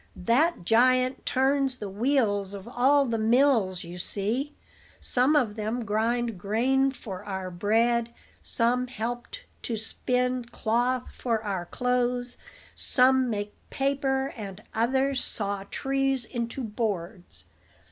"That giant turns the wheels of all the mills you see. Some of them grind grain for our bread, some help to spin cloth for our clothes, some make paper, and others saw trees into boards.